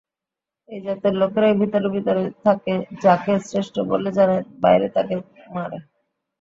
এই জাতের লোকেরাই ভিতরে ভিতরে যাকে শ্রেষ্ঠ বলে জানে বাইরে তাকে মারে।